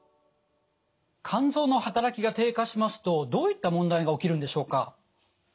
肝臓の働きが低下しますとどういった問題が起きるんでしょうか？